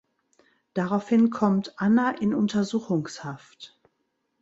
Daraufhin kommt Anna in Untersuchungshaft.